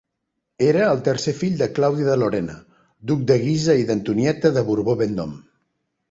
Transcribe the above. Era el tercer fill de Claudi de Lorena, duc de Guisa i d'Antonieta de Borbó-Vendôme.